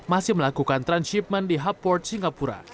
masih melakukan transit di hub port singapura